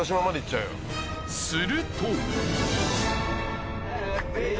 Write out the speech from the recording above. すると。